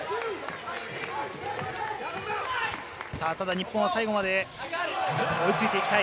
日本は最後まで追いついていきたい。